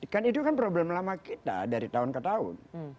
kan itu kan problem lama kita dari tahun ke tahun